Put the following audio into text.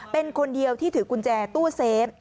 เป็นคนเดียวที่ถือกุญแจตู้เซฟ